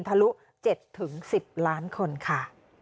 ทะลุ๗๑๐ล้านคนค่ะ